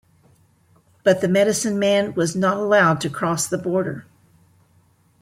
But the medicine man was not allowed across the border.